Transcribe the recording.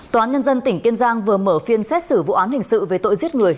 tòa án nhân dân tỉnh kiên giang vừa mở phiên xét xử vụ án hình sự về tội giết người